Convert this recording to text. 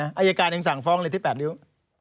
อายการยังสั่งฟ้องเลยที่๘นิ้ว